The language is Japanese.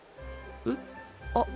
えっ？